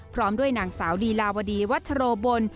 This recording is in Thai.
พร้อมด้วยนางสาวลีลาวดีวัชโรบล